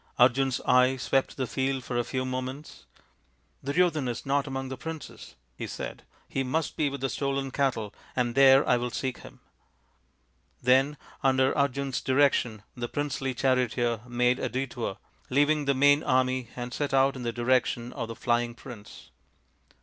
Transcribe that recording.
Arjun's keen eye swept the field for a few moments. " Duryodhan is not among the princes," he said, " he must be with the stolen cattle, and there I will seek him." Then, under Arjun's direction, the princely charioteer made a detour, leaving the main army, and set out in the direction of the flying prince.